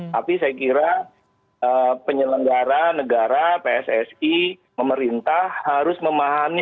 tapi saya kira penyelenggara negara pssi pemerintah harus memahami